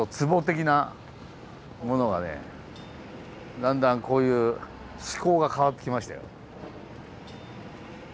だんだんこういう趣向が変わってきましたよ。